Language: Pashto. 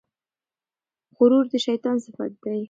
غرور د شیطان صفت دی.